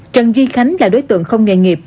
trần duy khánh là đối tượng không nghề nghiệp